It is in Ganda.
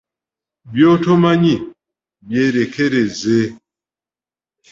By’otomanyi byerekereze